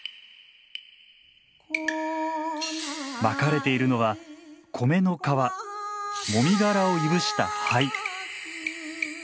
まかれているのは米の皮もみ殻をいぶした灰。